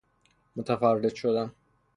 متفرد شدن